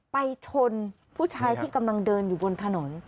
ไปชนผู้ชายที่กำลังเดินอยู่บนถนน